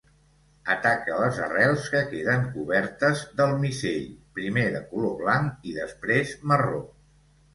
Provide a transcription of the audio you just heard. Ataca les arrels que queden cobertes del miceli, primer de color blanc i després marró.